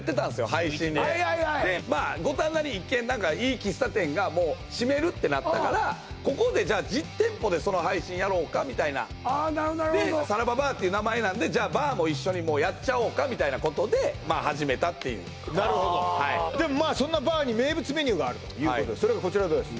配信ではいはいはいでまあ五反田に１軒何かいい喫茶店がもう閉めるってなったからここでじゃあ実店舗でその配信やろうかみたいななるほどなるほどで「さらばＢＡＲ」っていう名前なんでじゃあバーも一緒にもうやっちゃおうかみたいなことでまあ始めたっていうなるほどそんなバーに名物メニューがあるということでそれがこちらです